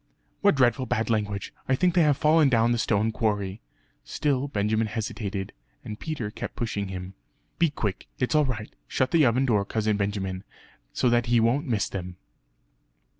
"What dreadful bad language! I think they have fallen down the stone quarry." Still Benjamin hesitated, and Peter kept pushing him "Be quick, it's all right. Shut the oven door, Cousin Benjamin, so that he won't miss them."